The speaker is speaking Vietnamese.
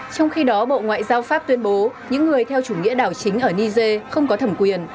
trong khi đó bộ ngoại giao pháp tuyên bố những người theo chủ nghĩa đảo chính ở niger không có thẩm quyền